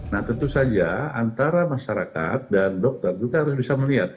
nah tentu saja antara masyarakat dan dokter juga harus bisa melihat